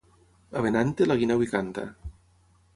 A Benante, la guineu hi canta.